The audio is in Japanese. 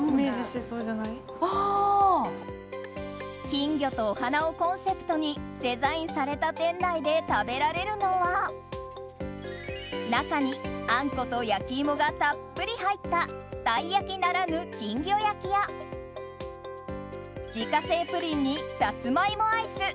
金魚とお花をコンセプトにデザインされた店内で食べられるのは中にあんこと焼き芋がたっぷり入ったたい焼きならぬ金魚焼きや自家製プリンにサツマイモアイス